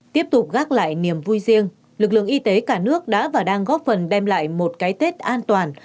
tiếp tục gác lại niềm vui riêng lực lượng y tế cả nước đã và đang góp phần đem lại một cái tết an toàn